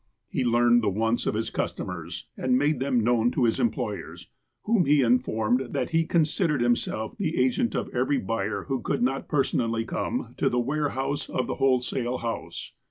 He learned the wants of his customers, and made them known to his employers, whom he informed that he con sidered himself the agent of every buyer who could not personally come to the warehouse of the wholesale house.